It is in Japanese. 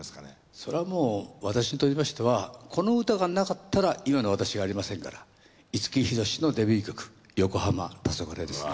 それはもう私にとりましてはこの歌がなかったら今の私がありませんから五木ひろしのデビュー曲『よこはま・たそがれ』ですね。